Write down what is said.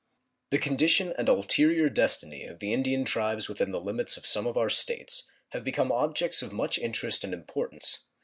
The condition and ulterior destiny of the Indian tribes within the limits of some of our States have become objects of much interest and importance.